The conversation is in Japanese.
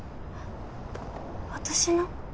私の。